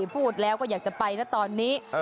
พูดแล้วก็อยากจะไปนะตอนนี้